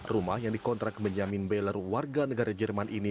rumah yang dikontrak menjamin beler warga negara jerman ini